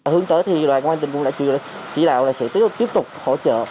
hướng tới thì đoàn công an tỉnh cũng đã chỉ đạo là sẽ tiếp tục hỗ trợ